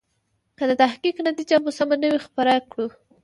که د تحقیق نتیجه مو سمه نه وي خپره کړو.